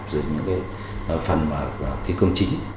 rồi những cái phần thi công chính